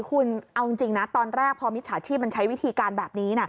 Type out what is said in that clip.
คุณเอาจริงนะตอนแรกพอมิจฉาชีพมันใช้วิธีการแบบนี้